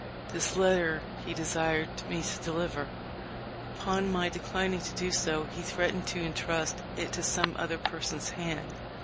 This letter he de sired me to deliver. Upon my declining to do so he threatened to intrust it to some other person's hand.